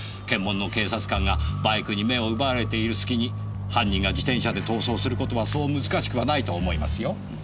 検問の警察官がバイクに目を奪われているすきに犯人が自転車で逃走する事はそう難しくはないと思いますよ。